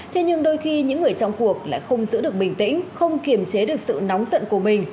thế nhưng đôi khi những người trong cuộc lại không giữ được bình tĩnh không kiềm chế được sự nóng giận của mình